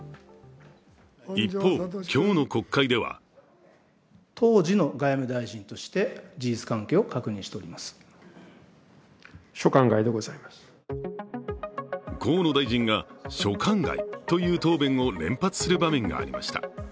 一方、今日の国会では河野大臣が「所管外」という答弁を連発する場面がありました。